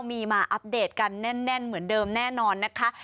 มีมาอัปเดตกันแน่นเหมือนเดิมแน่นอนนะคะ